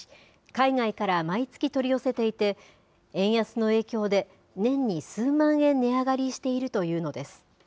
海外から毎月取り寄せていて、円安の影響で、年に数万円値上がりしているというのです。